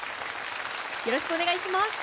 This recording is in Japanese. よろしくお願いします。